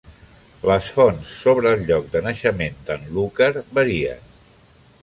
Les fonts sobre el lloc de naixement d'en Looker varien.